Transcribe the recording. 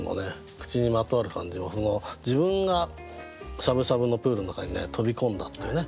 口にまとわる感じも自分がしゃぶしゃぶのプールの中にね飛び込んだっていうね